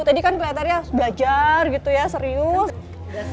tadi kan kelihatannya harus belajar gitu ya serius